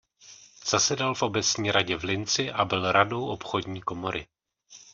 Zasedal v obecní radě v Linci a byl radou obchodní komory.